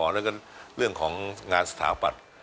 แล้วก็เรื่องของงานสถาปัตย์